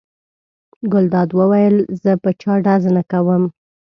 ګلداد وویل: زه په چا ډز نه کوم.